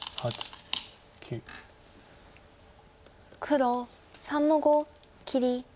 黒３の五切り。